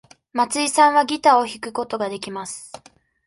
松井さんはギターを弾くことができます。